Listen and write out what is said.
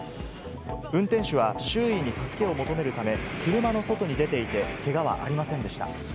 運転手は周囲に助けを求めるため、車の外に出ていて、けがはありませんでした。